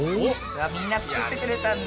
みんな作ってくれたんだ。